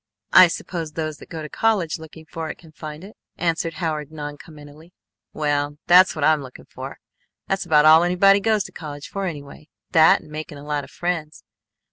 "I suppose those that go to college looking for it can find it," answered Howard noncommittally. "Well that's what I'm looking for. That's about all anybody goes to college for anyway, that and making a lot of friends.